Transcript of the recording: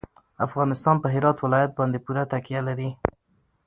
افغانستان په هرات ولایت باندې پوره تکیه لري.